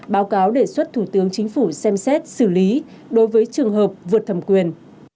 báo cáo đề xuất thủ tướng chính phủ xem xét xử lý đối với trường hợp vượt thẩm quyền